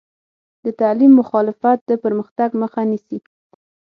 د تعلیم مخالفت د پرمختګ مخه نیسي.